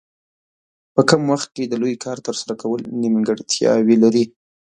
په کم وخت کې د لوی کار ترسره کول نیمګړتیاوې لري.